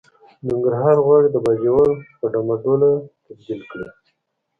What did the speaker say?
ننګرهار غواړي د باجوړ په ډمه ډوله تبديل کړي.